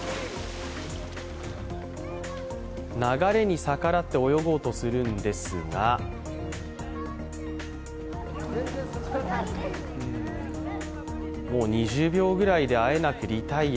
流れに逆らって泳ごうとするんですがもう２０秒ぐらいであえなくリタイア。